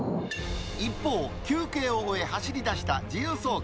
一方、休憩を終え、走りだした自由走行